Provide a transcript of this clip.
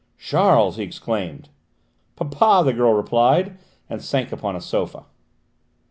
"Charles!" he exclaimed. "Papa!" the girl replied, and sank upon a sofa.